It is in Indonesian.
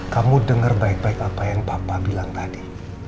kamu dengar baik baik apa yang papa bilang tadi